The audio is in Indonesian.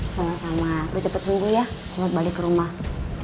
sama sama udah cepet sembuh ya cepat balik ke rumah